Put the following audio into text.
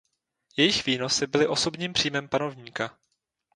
Jejich výnosy byly osobním příjmem panovníka.